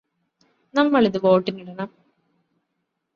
നമ്മളിത് വോട്ടിനിടണം